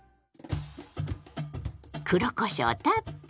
黒こしょうたっぷり！